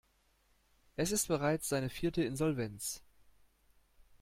Es ist bereits seine vierte Insolvenz.